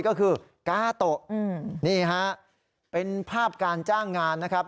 ก็คือกาโตะนี่ฮะเป็นภาพการจ้างงานนะครับ